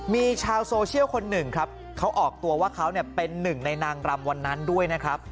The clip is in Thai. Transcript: มีชาวโซเชียลคนหนึ่งครับเขาออกตัวว่าเขาเป็นหนึ่งในนางรำวันนั้นด้วยนะครับ